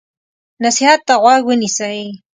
نصیحت ته غوږ ونیسئ.